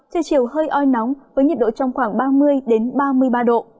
trưa chiều hơi oi nóng với nhiệt độ trong khoảng ba mươi ba mươi ba độ